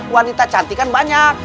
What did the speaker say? wanita cantik kan banyak